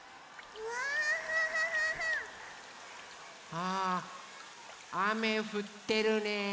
あああめふってるね。